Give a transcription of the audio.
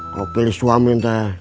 kalau pilih suami